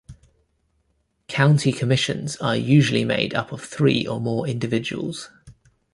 County commissions are usually made up of three or more individuals.